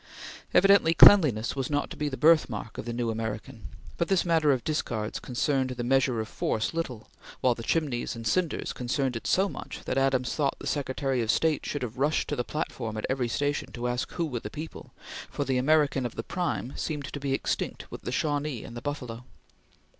Evidently, cleanliness was not to be the birthmark of the new American, but this matter of discards concerned the measure of force little, while the chimneys and cinders concerned it so much that Adams thought the Secretary of State should have rushed to the platform at every station to ask who were the people; for the American of the prime seemed to be extinct with the Shawnee and the buffalo.